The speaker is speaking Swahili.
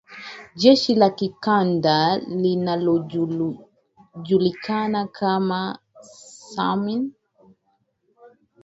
Jeshi la kikanda linalojulikana kama SAMIM